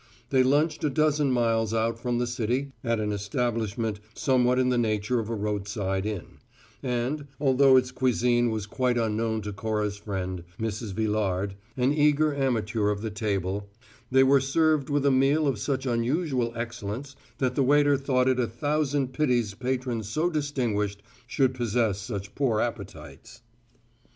They lunched a dozen miles out from the city at an establishment somewhat in the nature of a roadside inn; and, although its cuisine was quite unknown to Cora's friend, Mrs. Villard (an eager amateur of the table), they were served with a meal of such unusual excellence that the waiter thought it a thousand pities patrons so distinguished should possess such poor appetites.